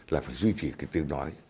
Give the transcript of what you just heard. là phải duy trì cái tiếng nói